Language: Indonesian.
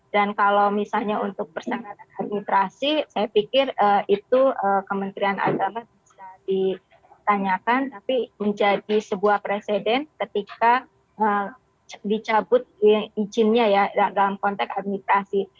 dan kalau misalnya untuk persenjataan administrasi saya pikir itu kementerian agama bisa ditanyakan tapi menjadi sebuah presiden ketika dicabut izinnya ya dalam konteks administrasi